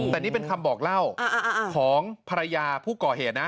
แต่นี่เป็นคำบอกเล่าของภรรยาผู้ก่อเหตุนะ